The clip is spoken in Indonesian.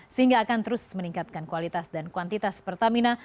sehingga akan terus meningkatkan kualitas dan kuantitas pertamina